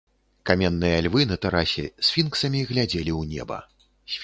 Каменныя львы на тэрасе сфінксамі глядзелі ў неба.